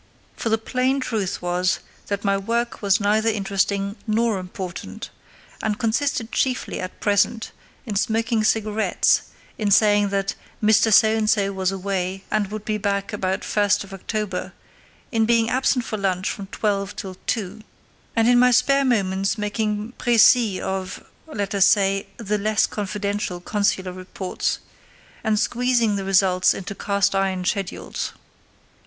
For the plain truth was that my work was neither interesting nor important, and consisted chiefly at present in smoking cigarettes, in saying that Mr So and So was away and would be back about October 1, in being absent for lunch from twelve till two, and in my spare moments making précis of—let us say—the less confidential consular reports, and squeezing the results into cast iron schedules.